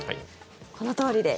このとおりです。